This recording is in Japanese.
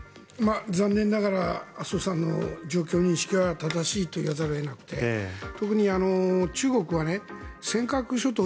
残念ながら麻生さんの状況認識は正しいと言わざるを得なくて特に中国は尖閣諸島